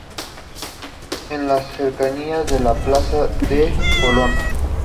En las cercanías de la plaza de Colón.